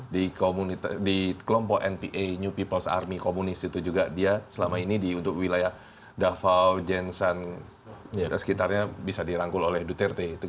di kelompok npa new peoples army komunis itu juga dia selama ini untuk wilayah davao jensen dan sekitarnya bisa dirangkul oleh duterte